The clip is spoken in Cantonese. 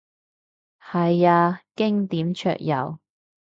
係啊，經典桌遊